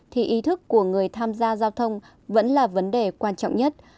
thì ý thức của người tham gia giao thông vẫn là vấn đề quan trọng nhất